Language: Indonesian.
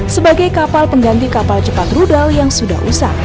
sebagai kapal pengganti kapal cepat rudal yang sudah usai